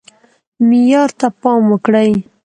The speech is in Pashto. معیار ته پام وکړئ